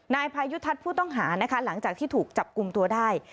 พายุทัศน์ผู้ต้องหานะคะหลังจากที่ถูกจับกลุ่มตัวได้